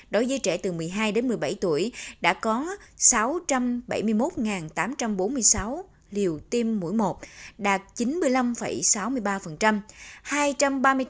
đối với trẻ từ một mươi hai đến một mươi bảy tuổi đã có sáu trăm bảy mươi một tám trăm bốn mươi sáu liều tiêm mỗi một đạt chín mươi năm sáu mươi ba